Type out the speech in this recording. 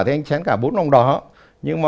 thì anh chén cả bốn lòng đỏ nhưng mà